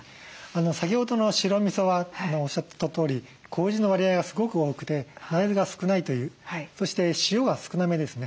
先ほどの白みそはおっしゃってたとおりこうじの割合がすごく多くて大豆が少ないというそして塩が少なめですね。